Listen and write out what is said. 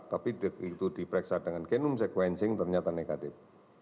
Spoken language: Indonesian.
tapi itu diperiksa dengan genome sequencing ternyata negatif